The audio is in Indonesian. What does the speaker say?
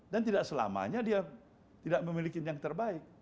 dan tidak selamanya dia tidak memiliki yang terbaik